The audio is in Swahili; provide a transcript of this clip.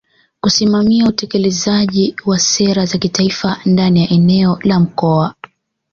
kusimamia utekelezaji wa sera za kitaifa ndani ya eneo la Mkoa